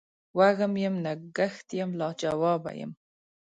وږم یم نګهت یم لا جواب یمه